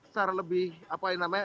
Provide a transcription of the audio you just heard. secara lebih apa yang namanya